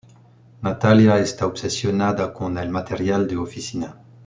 Nathalia está obsesionada con el material de oficina.